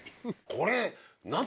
これ。